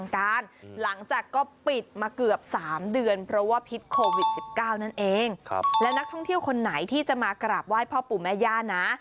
โควิด๑๙นั่นเองครับแล้วนักท่องเที่ยวคนไหนที่จะมากราบไหว้พ่อปู่แม่ย่านนะ